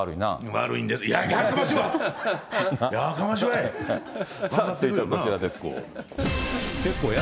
悪いんです、さあ続いてこちらです。